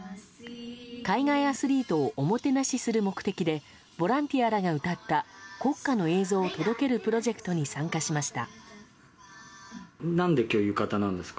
海外アスリートをおもてなしする目的でボランティアらが歌った国歌の映像を届けるプロジェクトに参加しました。